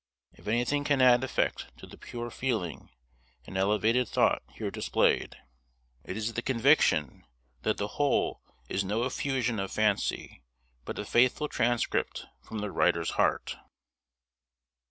If anything can add effect to the pure feeling and elevated thought here displayed, it is the conviction, that the who leis no effusion of fancy, but a faithful transcript from the writer's heart.